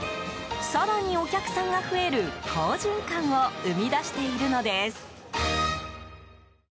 更にお客さんが増える好循環を生み出しているのです。